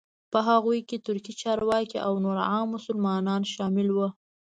په هغوی کې ترکي چارواکي او نور عام مسلمانان شامل وو.